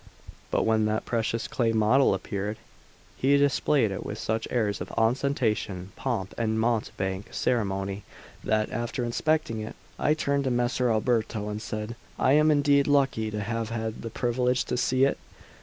But when that precious clay model appeared, he displayed it with such airs of ostentation, pomp, and mountebank ceremony, that, after inspecting it, I turned to Messer Alberto and said: "I am indeed lucky to have had the privilege to see it!"